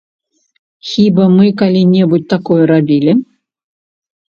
Хіба мы калі-небудзь такое рабілі?